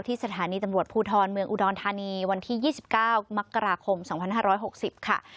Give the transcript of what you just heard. สถานีตำรวจภูทรเมืองอุดรธานีวันที่๒๙มกราคม๒๕๖๐ค่ะ